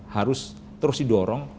harus terus didorong